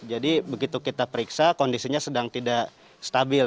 jadi begitu kita periksa kondisinya sedang tidak stabil